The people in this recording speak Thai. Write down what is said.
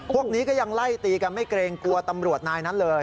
พวกนี้ก็ยังไล่ตีกันไม่เกรงกลัวตำรวจนายนั้นเลย